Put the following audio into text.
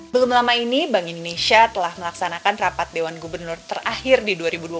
belum lama ini bank indonesia telah melaksanakan rapat dewan gubernur terakhir di dua ribu dua puluh